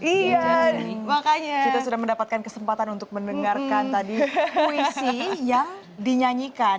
iya makanya kita sudah mendapatkan kesempatan untuk mendengarkan tadi puisi yang dinyanyikan